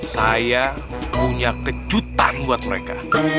saya punya kejutan buat mereka